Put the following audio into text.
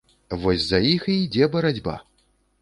Вось за іх і ідзе барацьба.